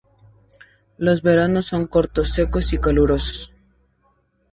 Los veranos son cortos, secos y calurosos.